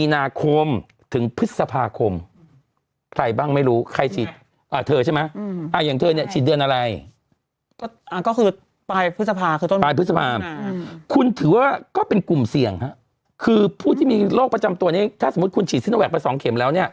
ถ้าสมมติคุณฉีดเป็น๒เข็มแล้ว